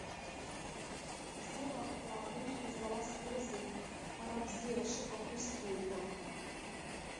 Бзиала уаабеит ҳәа злауасҳәарызеи, ара бзиара шыҟам усгьы иубоит.